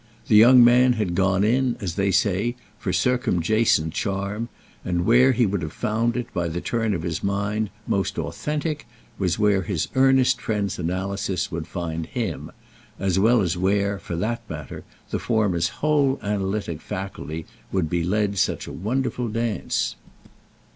The young man had gone in, as they say, for circumjacent charm; and where he would have found it, by the turn of his mind, most "authentic," was where his earnest friend's analysis would most find him; as well as where, for that matter, the former's whole analytic faculty would be led such a wonderful dance.